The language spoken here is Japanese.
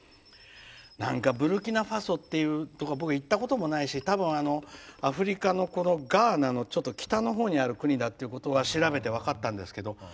なんか、ブルキナファソっていうところは僕は行ったこともないしアフリカのガーナのちょっと北のほうにある国だということは調べて分かったんですけど